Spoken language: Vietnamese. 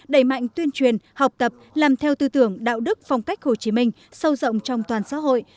đẩy mạnh tuyên truyền học tập làm theo tư tưởng đạo đức phong cách hồ chí minh sâu rộng trong toàn xã hội